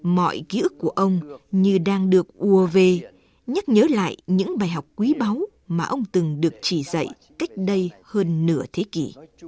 mọi ký ức của ông như đang được uav nhắc nhớ lại những bài học quý báu mà ông từng được chỉ dạy cách đây hơn nửa thế kỷ